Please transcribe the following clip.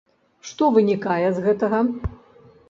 Што вынікае з гэтага?